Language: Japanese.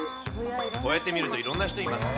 こうやって見ると、いろんな人いますね。